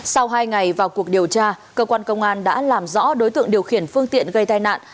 sau hai ngày vào cuộc điều tra cơ quan công an đã làm rõ đối tượng điều khiển phương tiện gây tai nạn